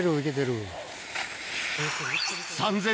３０００